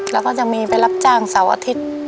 แล้วก็จะมีไปรับจ้างเสาร์อาทิตย์